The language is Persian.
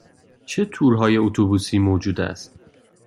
چه تورهای اتوبوسی موجود است؟